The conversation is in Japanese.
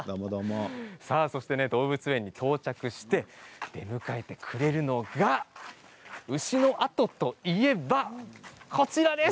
動物園に到着して出迎えてくれるのが牛のあとと言えばこちらです。